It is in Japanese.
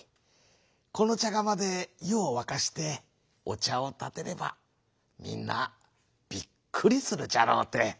このちゃがまでゆをわかしておちゃをたてればみんなびっくりするじゃろうて。